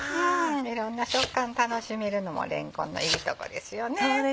いろんな食感楽しめるのもれんこんのいいとこですよね。